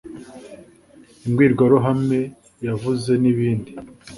imbwirwaruhame yavuze n’ibindi